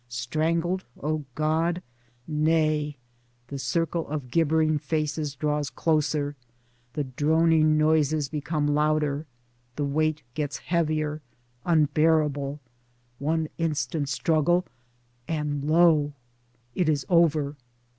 ] Strangled, O God ? Nay — the circle of gibbering faces draws closer, the droning noises become louder, the weight gets heavier, unbearable — One instant struggle! and lo ! It is Over